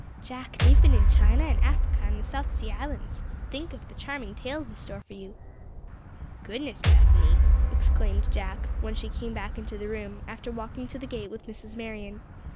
Jack, they've been in China and Africa and the South Sea Islands. Think of the charming tales in store for you!" "Goodness, Bethany!" exclaimed Jack, when she came back into the room after walking to the gate with Mrs. Marion.